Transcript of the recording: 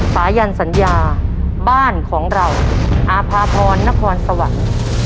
สายันสัญญาบ้านของเราอาภาพรนครสวรรค์